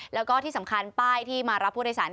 แล้วก็ที่สำคัญป้ายที่มารับผู้โดยสาร